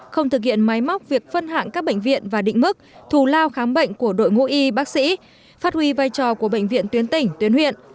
không thực hiện máy móc việc phân hạng các bệnh viện và định mức thù lao khám bệnh của đội ngũ y bác sĩ phát huy vai trò của bệnh viện tuyến tỉnh tuyến huyện